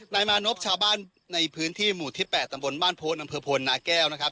นายมานพชาวบ้านในพื้นที่หมู่ที่๘ตำบลบ้านโพอำเภอพลนาแก้วนะครับ